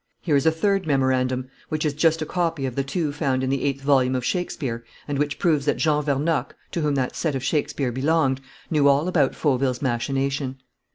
Here is a third memorandum, which is just a copy of the two found in the eighth volume of Shakespeare and which proves that Jean Vernocq, to whom that set of Shakespeare belonged, knew all about Fauville's machination.